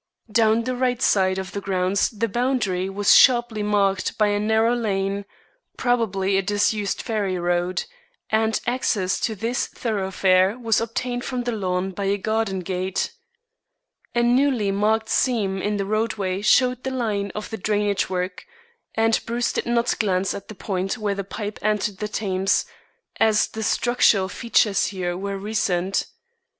Down the right side of the grounds the boundary was sharply marked by a narrow lane, probably a disused ferry road, and access to this thoroughfare was obtained from the lawn by a garden gate. A newly marked seam in the roadway showed the line of the drainage work, and Bruce did not glance at the point where the pipe entered the Thames, as the structural features here were recent.